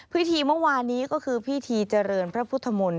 พิธีเมื่อวานนี้ก็คือพิธีเจริญพระพุทธมนตร์